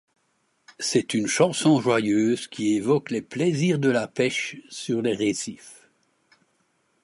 C'est une chanson joyeuse qui évoque les plaisirs de la pêche sur les récifs.